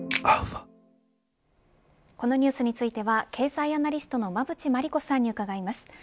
このニュースについては経済アナリストの馬渕磨理子さんに伺います。